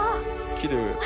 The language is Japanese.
きれい。